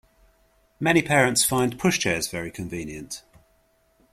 Many parents find pushchairs very convenient